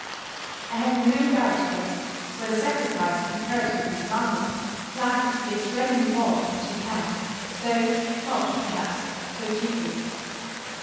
I have no doubt that, were the sacrifice imperatively demanded, life could be as readily bought in Japan, though not, perhaps, so cheaply.